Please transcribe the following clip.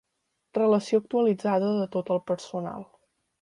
Relació actualitzada de tot el personal.